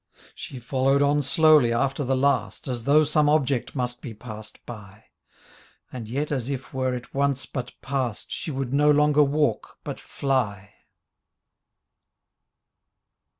She followed on slowly after the last As though some object must be passed by. And yet as if were it once but passed She would no longer walk but fly.